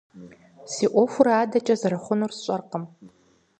Си Ӏуэхур адэкӀэ зэрыхъунур сщӀэркъым.